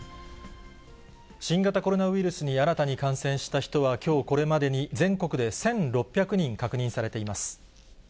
新型コロナウイルスに新たに感染した人は、きょうこれまでに、全国で１６００人確認されています。